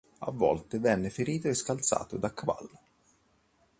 A Volta venne ferito e scalzato da cavallo.